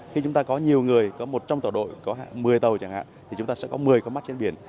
khi chúng ta có nhiều người có một trong tàu đội có một mươi tàu chẳng hạn thì chúng ta sẽ có một mươi con mắt trên biển